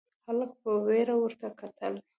هلک په وېره ورته کتل: